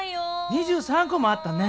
２３こもあったね！